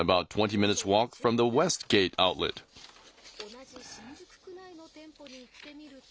同じ新宿区内の店舗に行ってみると。